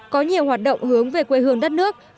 có nhiều hoạt động hướng về quê hương đất nước